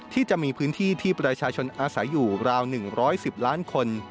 ที่จะมีพื้นที่ที่ประชาชนอาศัยอยู่ราว๑๑๐ล้านคน